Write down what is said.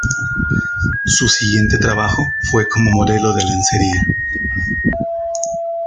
Su siguiente trabajo fue como modelo de lencería.